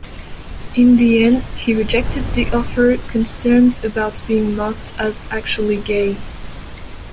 In the end, he rejected the offer, "concerned about being marked as actually gay".